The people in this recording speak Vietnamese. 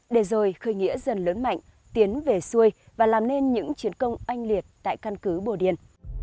để rồi khởi nghĩa dần lớn mạnh tiến về xuôi và làm nên những chiến công oanh liệt tại căn cứ bồ điền